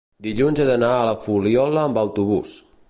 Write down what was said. dilluns he d'anar a la Fuliola amb autobús.